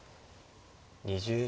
２０秒。